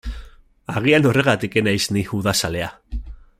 Agian horregatik ez naiz ni udazalea.